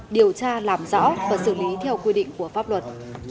điều tra làm rõ và xử lý theo quy định của pháp luật